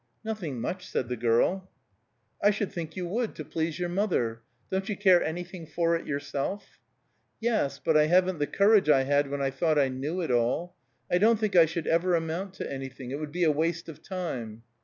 "Nothing much," said the girl. "I should think you would, to please your mother. Don't you care anything for it yourself?" "Yes; but I haven't the courage I had when I thought I knew it all. I don't think I should ever amount to anything. It would be a waste of time."